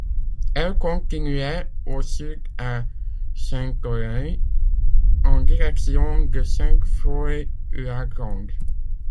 Elle continuait au sud à Saint-Aulaye, en direction de Sainte-Foy-la-Grande.